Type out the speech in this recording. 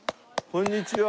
こんにちは。